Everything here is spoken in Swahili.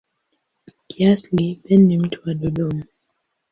Kiasili Ben ni mtu wa Dodoma.